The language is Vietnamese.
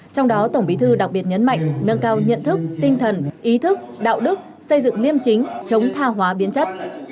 trong đó tổng bí thư đặc biệt nhấn mạnh nâng cao nhận thức tinh thần ý thức đạo đức xây dựng liêm chính chống tha hóa biến chất